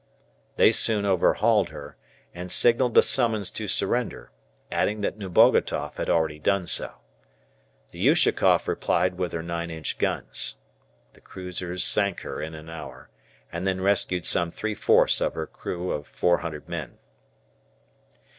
They soon overhauled her, and signalled a summons to surrender, adding that Nebogatoff had already done so. The "Ushakoff" replied with her 9 inch guns. The cruisers sank her in an hour, and then rescued some three fourths of her crew of 400 men.